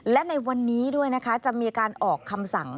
และในวันนี้ด้วยนะคะจะมีการออกคำสั่ง